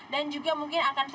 dan juga mungkin akan